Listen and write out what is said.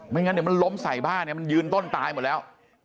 งั้นเดี๋ยวมันล้มใส่บ้านเนี่ยมันยืนต้นตายหมดแล้ว